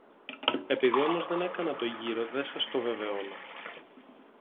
Επειδή όμως δεν έκανα το γύρο δε σας το βεβαιώνω